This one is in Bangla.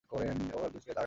ও একজন স্কেচ আর্টিস্ট।